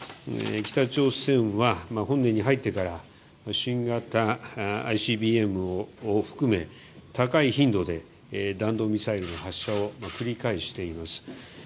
北朝鮮は本年に入ってから新型ＩＣＢＭを含め高い頻度で弾道ミサイルの発射を繰り返しています。